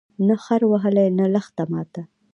نه خر وهلی، نه لښته ماته